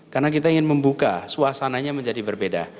karena kita ingin membuka suasananya menjadi berbeda